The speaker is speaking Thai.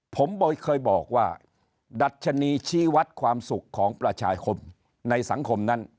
ผมเคยบอกว่าดัชนีชี้วัดความสุขของประชาคมในสังคมนั้น